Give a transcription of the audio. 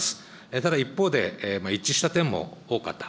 ただ一方で、一致した点も多かった。